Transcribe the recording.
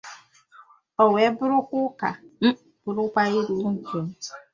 O wee bụrụ ụka bụrụ ilu.